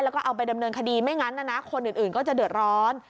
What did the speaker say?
แล้วก็เอาไปดำเนินคดีไม่งั้นนะคนอื่นก็จะเดือดร้อน